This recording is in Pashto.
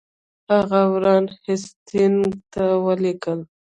هغه وارن هیسټینګ ته ولیکل.